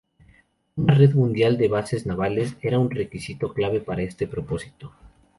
Una red mundial de bases navales era un requisito clave para este propósito.